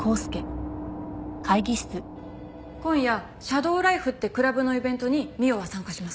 今夜シャドーライフってクラブのイベントに未央は参加します。